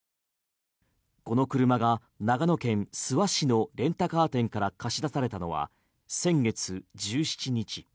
この車が長野県諏訪市のレンタカー店から貸し出されたのは先月１７日。